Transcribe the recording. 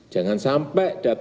jangan sampai data kita